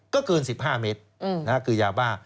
ก็เกิน๑๕เมตรคือยาบ้า